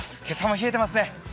今朝も冷えていますね。